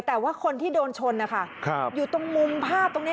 แต่ว่าคนที่โดนชนนะคะอยู่ตรงมุมภาพตรงนี้